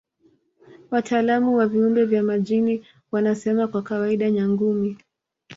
Wataalamu wa viumbe vya majini wanasema kwa kawaida Nyangumi